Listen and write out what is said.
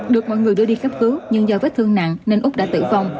được mọi người đưa đi cấp cứu nhưng do vết thương nặng nên úc đã tử vong